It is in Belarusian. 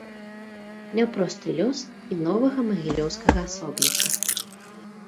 Няпросты лёс і новага магілёўскага асобніка.